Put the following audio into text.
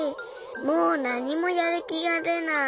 もうなにもやるきがでない。